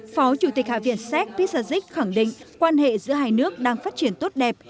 phó chủ tịch hạ viện séc pisajik khẳng định quan hệ giữa hai nước đang phát triển tốt đẹp